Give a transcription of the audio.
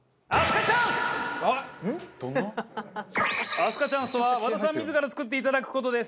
明日香チャンスとは和田さん自ら作っていただく事です。